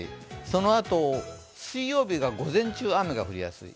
そのあと、水曜日が午前中、雨が降りやすい。